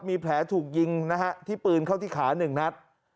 มีแผลถูกยิงที่ปืนเข้าที่ขาหนึ่งนะครับ